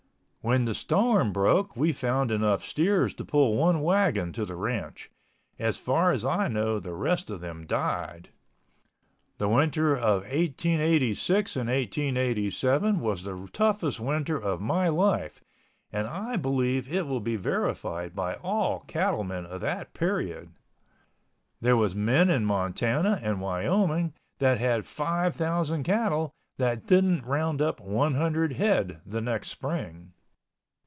When the storm broke we found enough steers to pull one wagon to the ranch. As far as I know the rest of them died. The winter of 1886 and 1887 was the toughest winter of my life and I believe it will be verified by all cattle men of that period. There was men in Montana and Wyoming that had 5,000 cattle that didn't roundup 100 head the next spring.